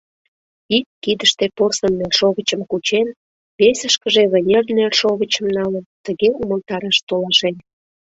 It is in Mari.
Ик кидыште порсын нершовычым кучен, весышкыже вынер нершовычым налын, тыге умылтараш толашен: